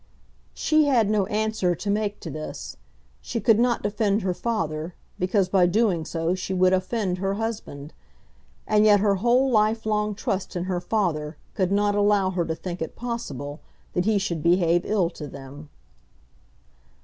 She had no answer to make to this. She could not defend her father, because by doing so she would offend her husband. And yet her whole life long trust in her father could not allow her to think it possible that he should behave ill to them.